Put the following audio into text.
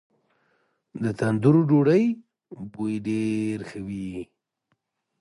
د تندور ډوډۍ بوی ډیر ښه وي.